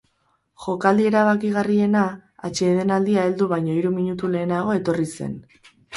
Jokaldi erabakigarriena atsedenaldia heldu baino hiru minutu lehenago etorri zen.